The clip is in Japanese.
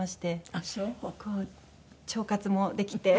こう腸活もできて。